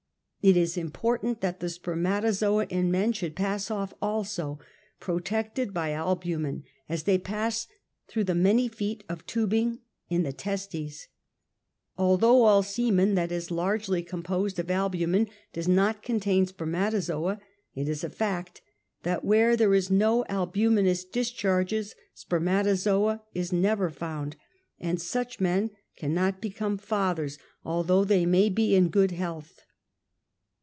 It is important that the sperm atozoa in men should pass off also, protected by albumen as they pass through the many feet of tub ing in the testes. Although all semen that is largely composed of albumen does not contain spermatozoa, it ^is a fact that where there is no albuminous discharges, ^ spermatozoa is never found, and such men can not be <3ome fathers, although they may be in good health.